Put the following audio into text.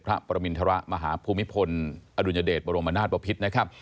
พระปรมิณฑระมหาภูมิพลอดุญเดชบรมนาสปภิษฐ์